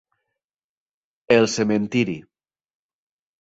El cementiri.